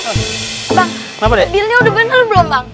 bilnya udah bener belum bang